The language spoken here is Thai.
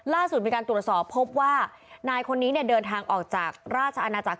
ล่าสุดมีการตรวจสอบพบว่านายคนนี้เนี่ยเดินทางออกจากราชอาณาจักร